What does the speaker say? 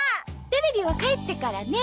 テレビは帰ってからね。